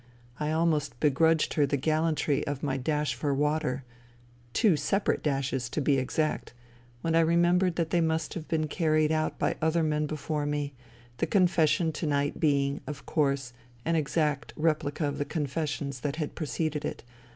I almost be grudged her the gallantry of my dash for water — two separate dashes, to be exact — when I remem bered that they must have been carried out by other men before me, the confession to night being, of course, an exact replica of the confessions that had preceded it.